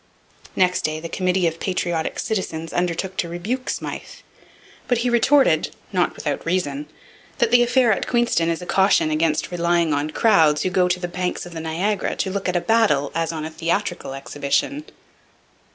Next day 'The Committee of Patriotic Citizens' undertook to rebuke Smyth. But he retorted, not without reason, that the affair at Queenston is a caution against relying on crowds who go to the banks of the Niagara to look at a battle as on a theatrical exhibition.'